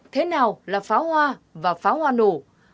thế nào là pháo hoa và pháo hoa nổ